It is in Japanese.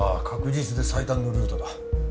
確実で最短のルートだ。